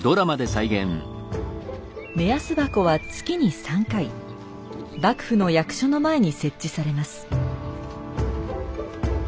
目安箱は月に３回幕府の役所の前に設置されます。